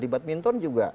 di badminton juga